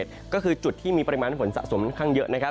สมมุติหน้าก็คือจุดที่มีปราริมารฝนสะสมขั้นเยอะนะ